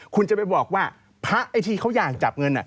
คุณจะไปบอกว่าพระไอ้ที่เขาอยากจับเงิน